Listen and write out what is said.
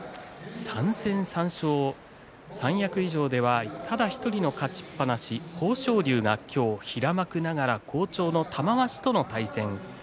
三役以上ではただ１人の勝ちっぱなし豊昇龍が今日平幕ながら好調の玉鷲との対戦です。